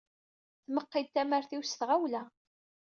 Tmeqqi-d tamart-iw s tɣawla.